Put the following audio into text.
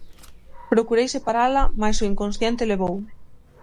Procurei separala mais o inconsciente levoume.